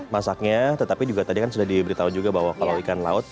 masaknya tetapi juga tadi kan sudah diberitahu juga bahwa kalau ikan laut